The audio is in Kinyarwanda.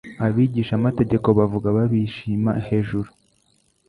Abigishamategeko bavuga babishima hejuru